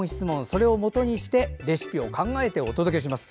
それをもとにしてレシピを考えてお届けします。